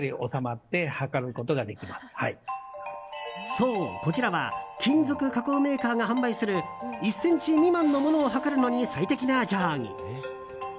そう、こちらは金属加工メーカーが販売する１ｃｍ未満のものを測るのに最適な定規。